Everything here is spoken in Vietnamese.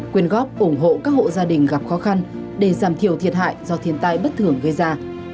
quyên góp ủng hộ các hộ gia đình gặp khó khăn để giảm thiểu thiệt hại do thiên tai bất thường gây ra